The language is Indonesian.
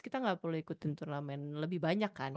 kita gak perlu ikutin turnamen lebih banyak kan